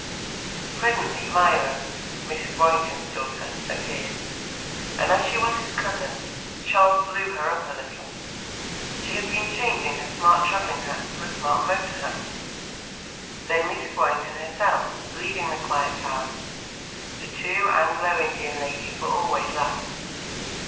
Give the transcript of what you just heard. Presently Myra (Mrs. Warrington's daughter) appeared, and as she was his cousin, Charles blew her up a little: she had been changing her smart traveling hat for a smart motor hat. Then Mrs. Warrington herself, leading the quiet child; the two Anglo Indian ladies were always last.